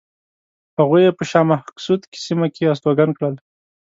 هغوی یې په شاه مقصود سیمه کې استوګن کړل.